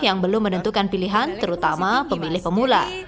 yang belum menentukan pilihan terutama pemilih pemula